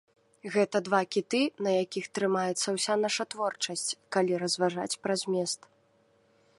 Гэта два кіты, на якіх трымаецца ўся наша творчасць, калі разважаць пра змест.